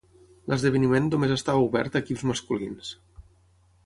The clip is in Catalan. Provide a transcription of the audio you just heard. L'esdeveniment només estava obert a equips masculins.